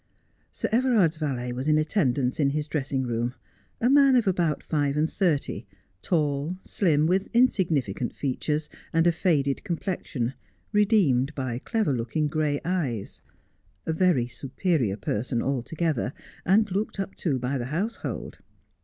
Sir Everard's valet was in attendance in his dressing room, a man of about five and thirty, tall, slim, with insignificant features, and a faded complexion, redeemed by clever looking gray eyes ; a very superior person altogether, and looked up to by the household.